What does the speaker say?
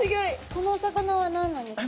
このお魚は何なんですか？